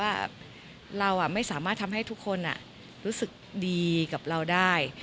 ว่าเราไม่สามารถทำให้ทุกคนรู้สึกดีกับเราได้